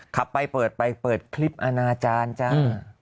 ขับไปเปิดไปเปิดคลิปอนาจารย์จ้า